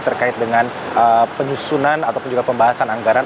terkait dengan penyusunan ataupun juga pembahasan anggaran